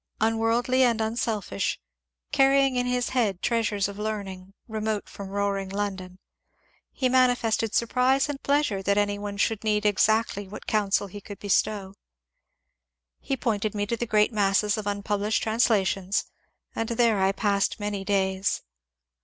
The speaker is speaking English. Unworldly and unselfish, carrying in his head treasures of learning, remote from roaring London, he manifested surprise and pleasure that any one should need exactly that counsel he could bestow. He pointed me to the great masses of unpublished translations, and there I passed many days.